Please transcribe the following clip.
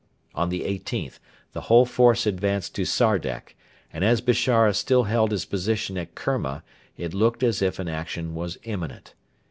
On the 18th the whole force advanced to Sardek, and as Bishara still held his position at Kerma it looked as if an action was imminent.